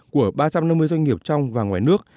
của ba trăm năm mươi doanh nghiệp trong và ngoài nước